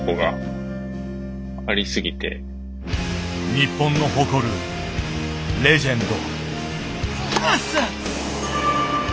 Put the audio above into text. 日本の誇るレジェンド。